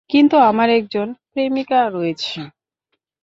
কিন্তু আমার একজন প্রেমিকা রয়েছে।